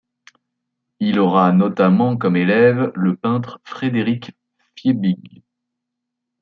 Il aura notamment comme élève le peintre Frédéric Fiebig.